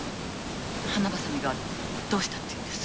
花バサミがどうしたっていうんです？